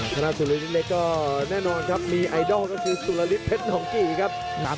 ชนะสุริยเล็กก็แน่นอนครับมีไอดอลก็คือสุรฤทธเพชรหนองกี่ครับ